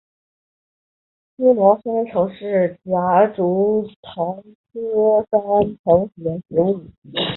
思茅山橙是夹竹桃科山橙属的植物。